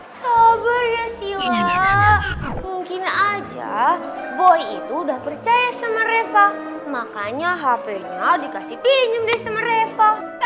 sabar ya sila mungkin aja boy itu udah percaya sama reva makanya hape nya dikasih pinjem deh sama reva